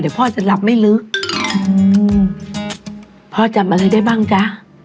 เดี๋ยวพ่อจะหลับไม่ลึกอืมพ่อจำอะไรได้บ้างจ๊ะ